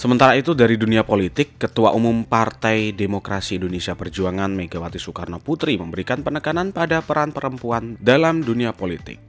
sementara itu dari dunia politik ketua umum partai demokrasi indonesia perjuangan megawati soekarno putri memberikan penekanan pada peran perempuan dalam dunia politik